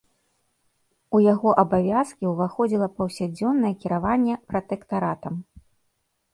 У яго абавязкі ўваходзіла паўсядзённае кіраванне пратэктаратам.